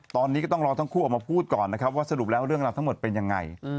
ตอนนี้ก็ต้องรอทั้งคู่ออกมาพูดก่อนนะครับว่าสรุปแล้วเรื่องราวทั้งหมดเป็นยังไง